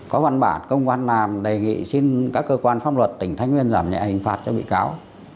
có văn bản công văn nam đề nghị xin các cơ quan pháp luật tỉnh thái nguyên giảm nhẹ hình phạt cho bị cáo